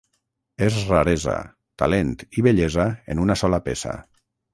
És raresa talent i bellesa en una sola peça.